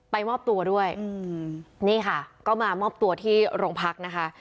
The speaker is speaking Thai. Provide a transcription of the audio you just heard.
มอบตัวด้วยนี่ค่ะก็มามอบตัวที่โรงพักนะคะ